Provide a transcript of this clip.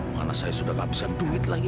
mana saya sudah kehabisan duit lagi